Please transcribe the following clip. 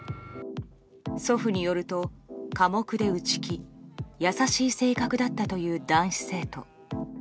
祖父によると、寡黙で内気優しい性格だったという男子生徒。